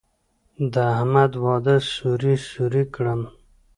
د احمد واده سوري سوري کړم.